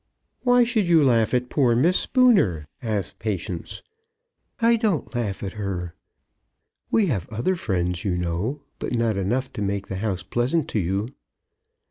"Why should you laugh at poor Miss Spooner?" asked Patience. "I don't laugh at her. We have other friends, you know; but not enough to make the house pleasant to you."